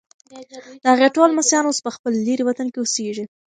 د هغې ټول لمسیان اوس په خپل لیرې وطن کې اوسیږي.